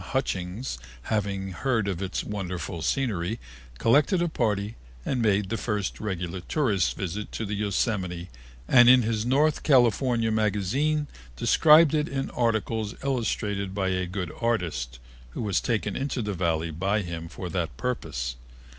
Hutchings, having heard of its wonderful scenery, collected a party and made the first regular tourist's visit to the Yosemite and in his California magazine described it in articles illustrated by a good artist, who was taken into the Valley by him for that purpose.